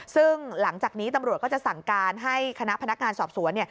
ซึ่งหลังจากนี้ตำรวจก็จะสั่งการให้คณะพนักงานสอบสวน